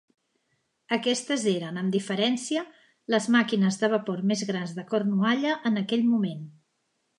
Aquestes eren, amb diferència, les màquines de vapor més grans de Cornualla en aquell moment.